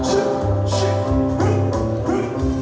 เชื่อเชื่อฮึฮึ